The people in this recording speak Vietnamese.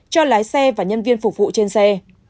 cho lái xe và nhân viên phục vụ trên xe